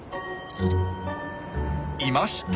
いました！